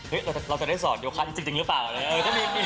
เฮ้ยเราจะได้สอนเดี๋ยวค่ะจริงหรือเปล่าเออก็มี